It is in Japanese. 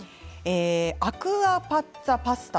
アクアパッツァパスタ